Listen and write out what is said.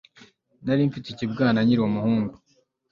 Nari mfite ikibwana nkiri umuhungu